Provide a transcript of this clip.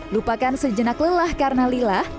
lupakan sejenak lelah karena lilah